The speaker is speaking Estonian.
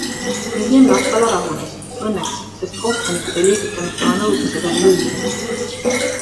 Hiljem Latvala rahunes - õnneks, sest kohtunikud ei liigutanud tema nõudmise peale lillegi.